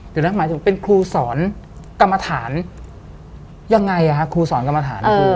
เดี๋ยวนักหมายจะเป็นครูสอนกรรมฐานยังไงอ่ะครูสอนกรรมฐาน